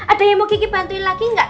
ada yang mau kiki bantuin lagi enggak